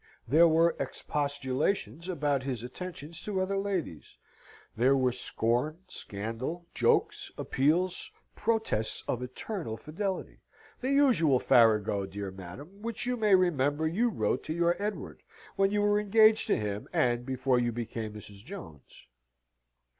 There were expostulations about his attentions to other ladies. There was scorn, scandal, jokes, appeals, protests of eternal fidelity; the usual farrago, dear madam, which you may remember you wrote to your Edward, when you were engaged to him, and before you became Mrs. Jones.